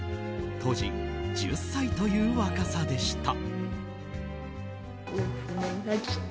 当時１０歳という若さでした。